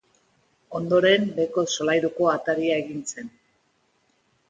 Ondoren, beheko solairuko ataria egin zen.